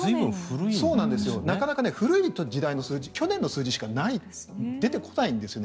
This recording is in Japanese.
なかなか古い数字去年の数字しか出てこないんです。